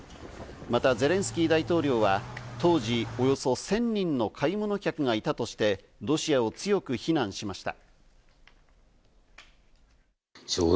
また、ゼレンスキー大統領は当時、およそ１０００人の買い物客がいたとして、ロシアを強く非難しました。